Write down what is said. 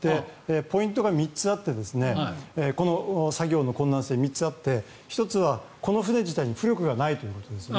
ポイントが３つあってこの作業の困難性、３つあって１つはこの船自体に浮力がないということです。